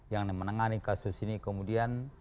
yang menangani kasus ini kemudian